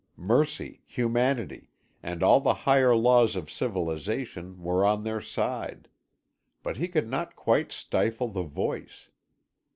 Mercy, humanity, and all the higher laws of civilisation were on their side. But he could not quite stifle the voice.